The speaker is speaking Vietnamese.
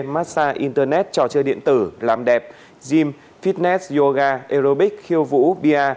massage internet trò chơi điện tử làm đẹp gym fitness yoga aerobics khiêu vũ pr